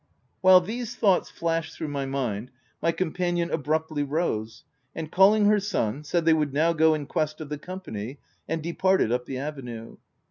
While these thoughts flashed through my mind, my companion abruptly rose, and calling her son, said they would now go in quest of the company, and departed up the avenue.